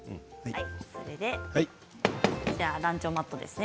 ランチョンマットですね。